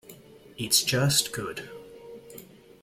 It's just good.